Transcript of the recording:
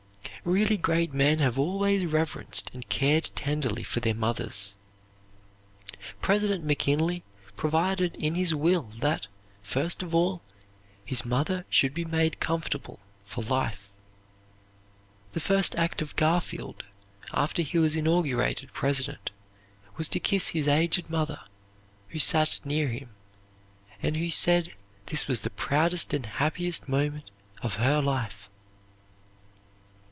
Really great men have always reverenced and cared tenderly for their mothers. President McKinley provided in his will that, first of all, his mother should be made comfortable for life. The first act of Garfield, after he was inaugurated President, was to kiss his aged mother, who sat near him, and who said this was the proudest and happiest moment of her life.